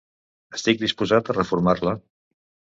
Estic disposat a reformar-la.